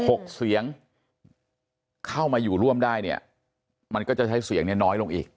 หกเสียงเข้ามาอยู่ร่วมได้เนี่ยมันก็จะใช้เสียงเนี่ยน้อยลงอีก